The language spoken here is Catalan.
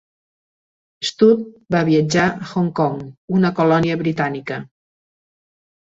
Stout va viatjar a Hong Kong, una colònia britànica.